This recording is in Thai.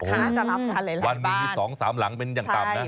ค่าจะรับการหลายบ้านวันนี้๒๓หลังเป็นอย่างต่ำนะ